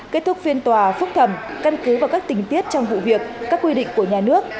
kết thúc phiên tòa phúc thẩm căn cứ vào các tình tiết trong vụ việc các quy định của nhà nước